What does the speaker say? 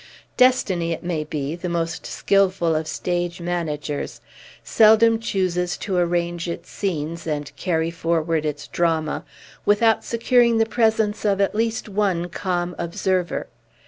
Destiny, it may be, the most skilful of stage managers, seldom chooses to arrange its scenes, and carry forward its drama, without securing the presence of at least one calm observer.